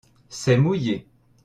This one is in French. c'est mouillé.